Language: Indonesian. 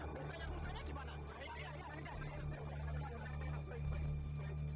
pengangkut kamu semua